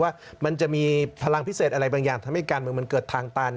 ว่ามันจะมีพลังพิเศษอะไรบางอย่างทำให้การเมืองมันเกิดทางตัน